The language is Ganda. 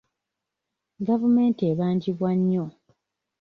Gavumenti ebaangibwa nnyo.